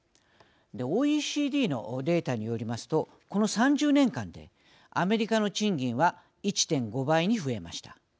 ＯＥＣＤのデータによりますとこの３０年間でアメリカの賃金は１．５倍に増えました。